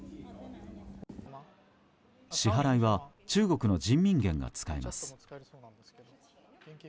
支払いは中国の人民元が使えます。